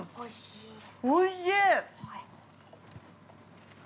おいしい。